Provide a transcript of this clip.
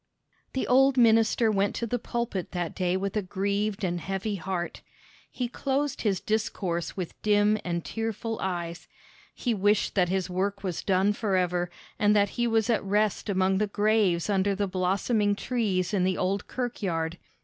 The old minister went to the pulpit that day with a grieved and heavy heart. He closed his discourse with dim and tearful eyes. He wished that his work was done forever, and that he was at rest among the graves under the blossoming trees in the old kirkyard.